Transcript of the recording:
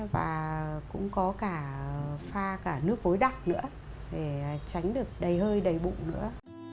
và cũng có cả pha cả nước gối đặc nữa để tránh được đầy hơi đầy bụng nữa